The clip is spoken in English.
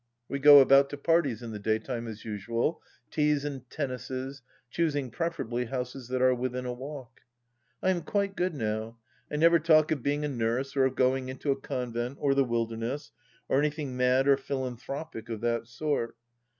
We go about to parties in the day time as usual, teas and tennises, choosing, preferably, houses that are within a walk. .,. I am quite good now. I never talk of being a nurse or of going into a convent or the wilderness, or anything mad or philanthropic of that sort.